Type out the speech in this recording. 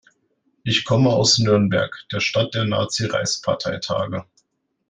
Ich komme aus Nürnberg, der Stadt der Nazi-Reichsparteitage.